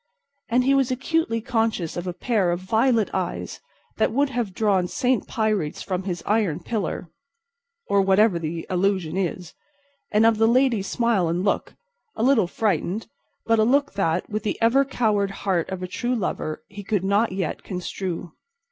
And he was acutely conscious of a pair of violet eyes that would have drawn Saint Pyrites from his iron pillar—or whatever the allusion is—and of the lady's smile and look—a little frightened, but a look that, with the ever coward heart of a true lover, he could not yet construe.